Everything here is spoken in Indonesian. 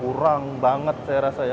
kurang banget saya rasa ya